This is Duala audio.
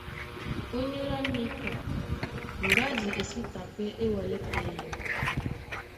Ónyólá níka, ŋgádi e sí ta pɛ́ é wɛlɛ́ pɛyɛ.